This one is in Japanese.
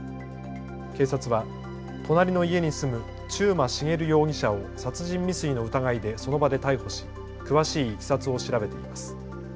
警察は隣の家に住む中馬茂容疑者を殺人未遂の疑いでその場で逮捕し詳しいいきさつを調べています。